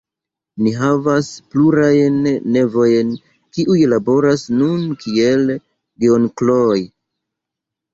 Ni havas plurajn nevojn, kiuj laboras nun kiel geonkloj.